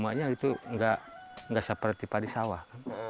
semuanya itu nggak seperti padi sawah